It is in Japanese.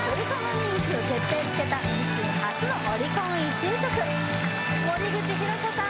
人気を決定づけた自身初のオリコン１位曲森口博子さん